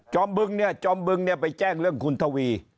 บึงเนี่ยจอมบึงเนี่ยไปแจ้งเรื่องคุณทวี